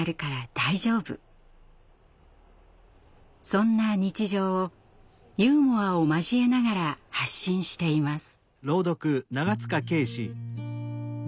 そんな日常をユーモアを交えながら発信しています。